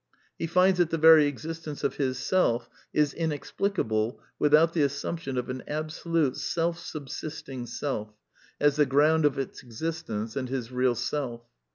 He finds that the very existence of his self is inexplicable without the assumption of an absolute, self subsisting Self, as the ground of its existence and his real Self.